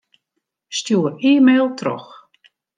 Stjoer e-mail troch.